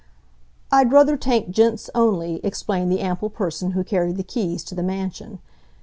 "I d'ruther take gents only," explained the ample person who carried the keys to the mansion.